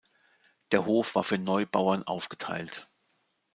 Der Hof war für Neubauern aufgeteilt.